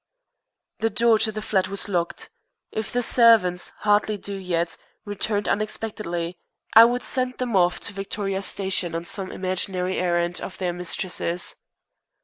The door of the flat was locked. If the servants, hardly due yet, returned unexpectedly, I would send them off to Victoria Station on some imaginary errand of their mistress's.